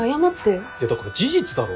だから事実だろ。